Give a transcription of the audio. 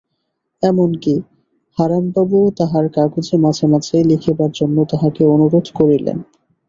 এমন-কি, হারানবাবুও তাঁহার কাগজে মাঝে মাঝে লিখিবার জন্য তাহাকে অনুরোধ করিলেন।